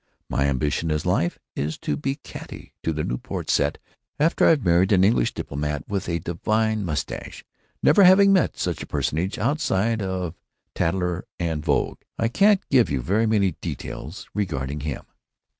My ambition in life is to be catty to the Newport set after I've married an English diplomat with a divine mustache. Never having met such a personage outside of Tatler and Vogue, I can't give you very many details regarding him.